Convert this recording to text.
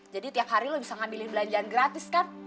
jadi tiap hari lo bisa ngambil belanjaan gratis kan